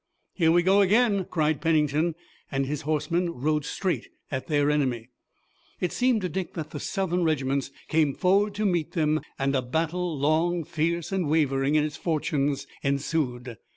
"Here we go again!" cried Pennington, and the horsemen rode straight at their enemy. It seemed to Dick that the Southern regiments came forward to meet them and a battle long, fierce and wavering in its fortunes ensued.